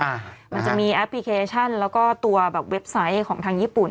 มันจะมีแอปพลิเคชันแล้วก็ตัวแบบเว็บไซต์ของทางญี่ปุ่น